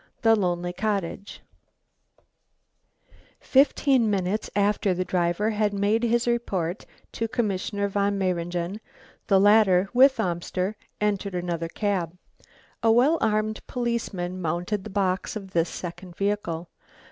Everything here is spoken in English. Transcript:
THE LONELY COTTAGE Fifteen minutes after the driver had made his report to Commissioner Von Mayringen, the latter with Amster entered another cab. A well armed policeman mounted the box of this second vehicle.